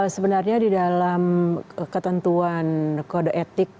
sebenarnya di dalam ketentuan kode etik